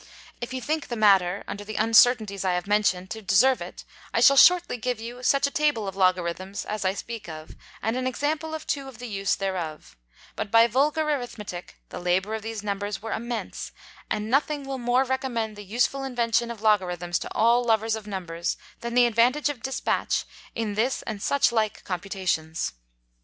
If you think the Matter, under the Uncertainties I have mentioned, to deserve it, I shall shortly give you such a Table of Logarithms, as I speak of, and an Example or two of the use thereof: But by Vulgar Arithmetick, the Labour of these Numbers were immense; and nothing will more recommend the useful Invention of Logarithms to all Lovers of Numbers, than the advantage of Dispatch in this and such like Computations.